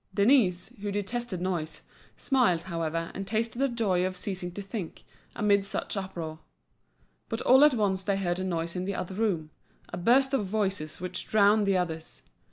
Denise, who detested noise, smiled, however, and tasted the joy of ceasing to think, amid such uproar. But all at once they heard a noise in the other room, a burst of voices which drowned the others.